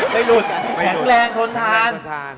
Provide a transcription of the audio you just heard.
ไม่หลุดแข็งแรงทนทาน